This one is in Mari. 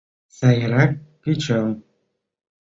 — Сайрак кычал!